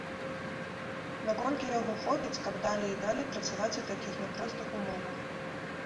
Наколькі яго хопіць, каб далей і далей працаваць у такіх няпростых умовах.